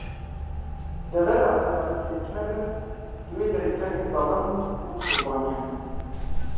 Devera edalet lê tune be, li wê derê tenê zalim û qurbanî hene.